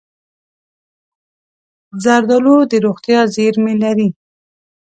زردالو د روغتیا زېرمې لري.